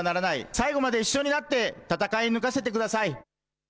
最後まで一緒になって戦い抜かせてください。